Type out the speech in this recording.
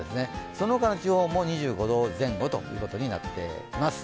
その他の地方も２５度前後ということになっています。